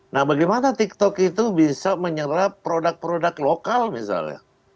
nah bagaimana tiktok itu bisa menyerap produk produk lokal misalnya